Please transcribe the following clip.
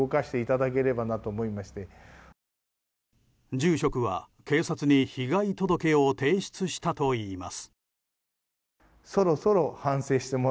住職は警察に被害届を提出したといいます。